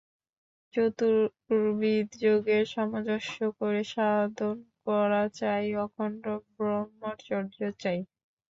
চতুর্বিধ যোগের সামঞ্জস্য করে সাধন করা চাই, অখণ্ড ব্রহ্মচর্য চাই।